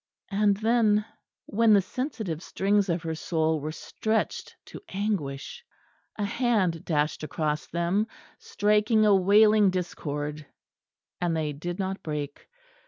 And then, when the sensitive strings of her soul were stretched to anguish, a hand dashed across them, striking a wailing discord, and they did not break.